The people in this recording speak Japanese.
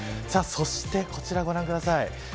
そして、こちら、ご覧ください。